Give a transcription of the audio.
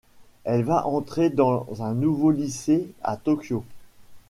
Elle va entrer dans un nouveau lycée à Tokyo.